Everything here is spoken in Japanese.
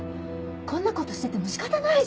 こんな事してても仕方ないじゃん。